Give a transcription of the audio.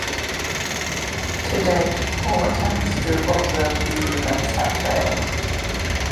To date, all attempts to observe these events have failed.